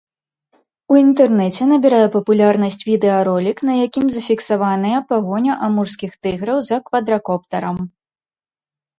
У інтэрнэце набірае папулярнасць відэаролік, на якім зафіксаваная пагоня амурскіх тыграў за квадракоптарам.